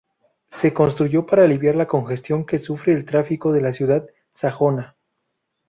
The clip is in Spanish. Se construyó para aliviar la congestión que sufre el tráfico de la ciudad sajona.